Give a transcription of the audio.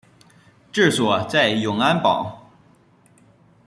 治所在永安堡。